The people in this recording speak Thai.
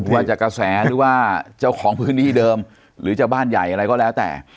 ว่าจากกระแสหรือว่าเจ้าของพื้นที่เดิมหรือจะบ้านใหญ่อะไรก็แล้วแต่